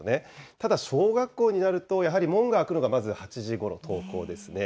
ただ、小学校になると、やはり門が開くのがまず８時ごろ登校ですね。